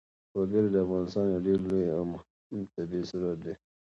وګړي د افغانستان یو ډېر لوی او مهم طبعي ثروت دی.